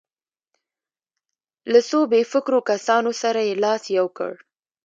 له څو بې فکرو کسانو سره یې لاس یو کړ.